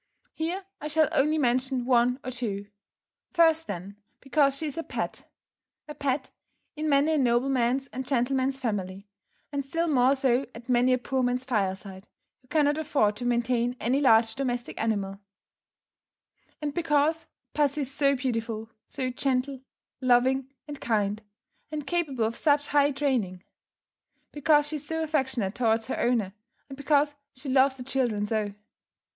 Here I shall only mention one or two. First then, because she is a pet a pet in many a nobleman's and gentleman's family, and still more so at many a poor man's fireside, who cannot afford to maintain any larger domestic animal; and because pussy is so beautiful, so gentle, loving, and kind, and capable of such high training; because she is so affectionate towards her owner; and because she loves the children so.